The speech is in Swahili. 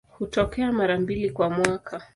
Hutokea mara mbili kwa mwaka.